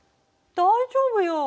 大丈夫よ。